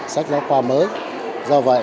sách giáo khoa mới do vậy